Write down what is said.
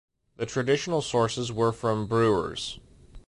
The traditional sources were from brewers.